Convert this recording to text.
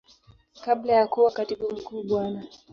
Kabla ya kuwa Katibu Mkuu Bwana.